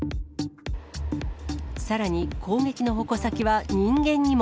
さらに、攻撃の矛先は人間にも。